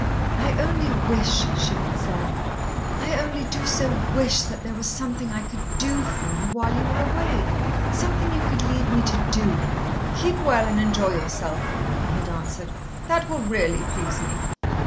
"I only wish," she had said, "I only do so wish that there was something I could do for you while you are away something you could leave me to do." "Keep well and enjoy yourself," he had answered. "That will really please me."